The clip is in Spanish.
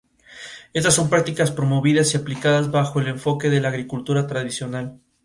Estas son prácticas promovidas y aplicadas bajo el enfoque de la agricultura tradicional.